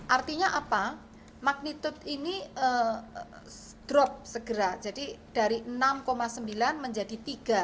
artinya apa magnitude ini drop segera jadi dari enam sembilan menjadi tiga